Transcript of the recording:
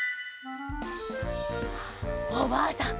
おばあさん